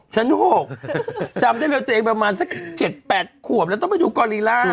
ชั้น๖จำได้เลยตัวเองประมาณสัก๗๘ขวบแล้วต้องไปดูกอรีล่า